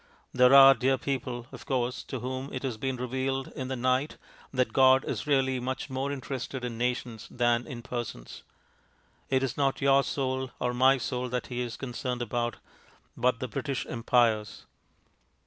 There are dear people, of course, to whom it has been revealed in the night that God is really much more interested in nations than in persons; it is not your soul or my soul that He is concerned about, but the British Empire's.